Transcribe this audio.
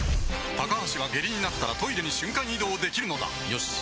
高橋は下痢になったらトイレに瞬間移動できるのだよし。